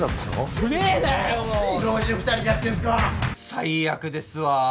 最悪ですわ。